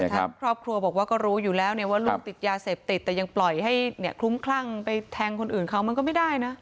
ครอบครัวบอกว่าก็รู้อยู่แล้วว่าลูกติดยาเสพติดแต่ยังปล่อยให้คลุ้มคลั่งไปแทงคนอื่นเขามันก็ไม่ได้นะ